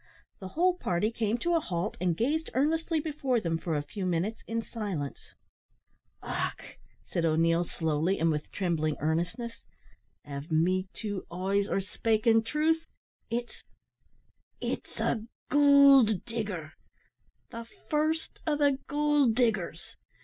The whole party came to a halt, and gazed earnestly before them for a few minutes in silence. "Och!" said O'Neil, slowly, and with trembling earnestness, "av me two eyes are spakin' truth, it's it's a goold digger! the first o' the goold diggers!"